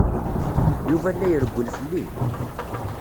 Yuba la irewwel fell-i.